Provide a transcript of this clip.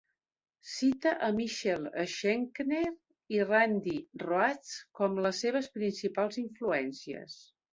Cita a Michael Schenker i Randy Rhoads com les seves principals influències.